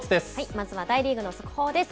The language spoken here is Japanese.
まずは大リーグの速報です。